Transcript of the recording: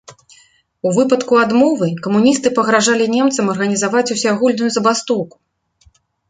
У выпадку адмовы камуністы пагражалі немцам арганізаваць усеагульную забастоўку.